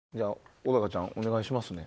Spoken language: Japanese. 小高ちゃん、お願いしますね